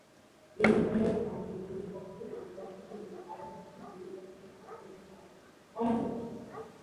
এই ধরনের গানে কনে পক্ষ বরের পক্ষকে ও বরের পক্ষ কনে পক্ষকে ঠাট্টা করে গান করে।